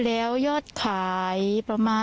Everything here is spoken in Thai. ความปลอดภัยของนายอภิรักษ์และครอบครัวด้วยซ้ำ